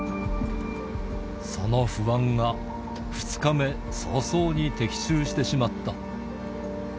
その不安が２日目、早々に的中してしまった。